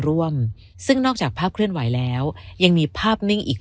ร่วมซึ่งนอกจากภาพเคลื่อนไหวแล้วยังมีภาพนิ่งอีก